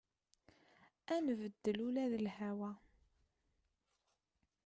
Ad nbeddel ula d lhawa.